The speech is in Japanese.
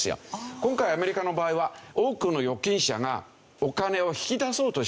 今回アメリカの場合は多くの預金者がお金を引き出そうとした。